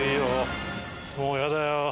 もうやだよ。